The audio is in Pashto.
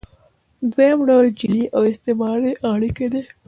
دویم ډول جعلي او استثماري اړیکې دي.